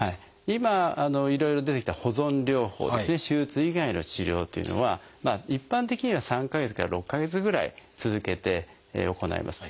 今いろいろ出てきた保存療法ですね手術以外の治療というのは一般的には３か月から６か月ぐらい続けて行います。